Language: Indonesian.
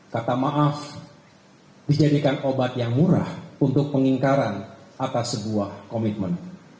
kata maaf dijadikan obat yang murah untuk pengingkaran atas sebuah komitmen